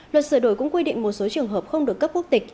luật sửa đổi cũng quy định một số trường hợp không được cấp quốc tịch